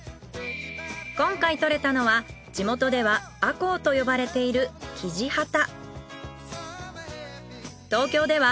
今回獲れたのは地元ではアコウと呼ばれているキジハタ。